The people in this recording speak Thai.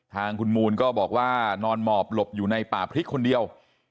ทางคุณมูลก็บอกว่านอนหมอบหลบอยู่ในป่าพริกคนเดียว